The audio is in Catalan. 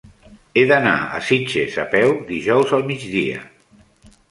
He d'anar a Sitges a peu dijous al migdia.